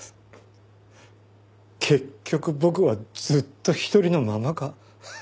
結局僕はずっと一人のままか。